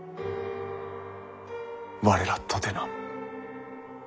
我らとてな。